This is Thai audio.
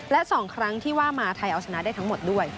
และ๒ครั้งที่ว่ามาไทยเอาชนะได้ทั้งหมดด้วย